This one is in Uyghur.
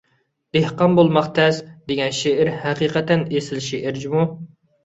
«دېھقان بولماق تەس» دېگەن شېئىر ھەقىقەتەن ئېسىل شېئىر جۇمۇ.